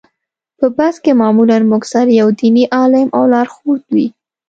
په بس کې معمولا موږ سره یو دیني عالم او لارښود وي.